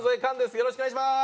よろしくお願いします。